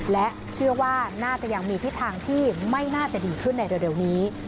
และเชื่อว่าน่าจะยังมีทิศทางที่ไม่น่าจะดีขึ้นในเร็วนี้